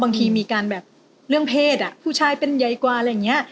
บางทีมีการแบบเรื่องเพศอ่ะผู้ชายเป็นใหญ่กว่าอะไรอย่างนี้